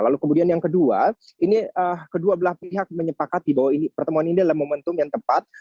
lalu kemudian yang kedua ini kedua belah pihak menyepakati bahwa pertemuan ini adalah momentum yang tepat